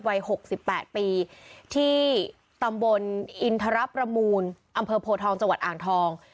วัย๖๘ปีที่ตำบลอินทรประมูลอำเภอโพทองจังหวัดอ่างทอง